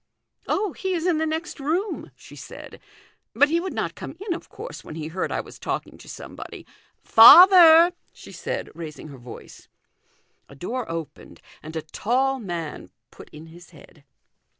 " Oh, he is in the next room," she said, " but he would not come in, of course, when he heard I was talking to somebody. Father 1 " she said, raising her voice. A door opened, and a tall man put in his head.